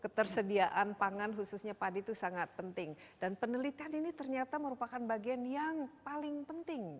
ketersediaan pangan khususnya padi itu sangat penting dan penelitian ini ternyata merupakan bagian yang paling penting